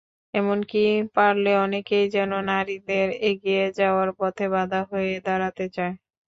এমনকি পারলে অনেকেই যেন নারীদের এগিয়ে যাওয়ার পথে বাধা হয়ে দাঁড়াতে চায়।